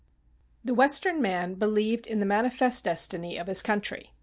The Western man believed in the manifest destiny of his country.